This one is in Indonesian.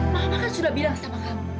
mama kan sudah bilang sama kamu